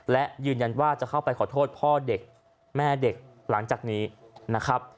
และยืนยันว่าจะเข้าไปขอโทษพ่อเด็กแม่เด็กหลังจากนี้นะครับ